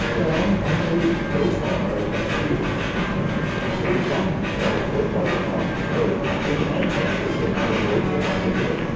Well, only so far as that wheel was concerned; but he flung himself so far across the way that the next rider could not avoid the obstacle.